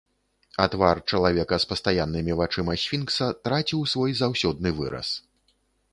А твар чалавека з пастаяннымі вачыма сфінкса траціў свой заўсёдны выраз.